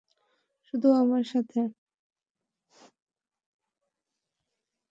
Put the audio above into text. শুধু আমার সাথে।